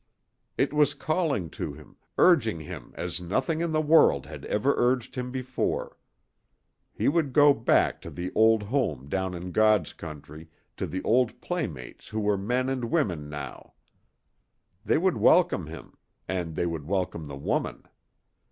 It was calling to him, urging him as nothing in the world had ever urged him before. He would go back to the old home down in God's country, to the old playmates who were men and women now. They would welcome him and they would welcome the woman.